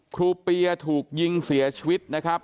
เปียถูกยิงเสียชีวิตนะครับ